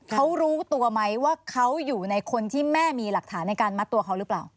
เขารู้ตัวไหมว่าเขาอยู่ในคนที่แม่มีหลักฐานในการมัดตัวเขาหรือเปล่า